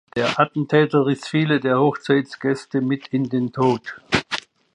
Der Attentäter riss viele der Hochzeitsgäste mit in den Tod.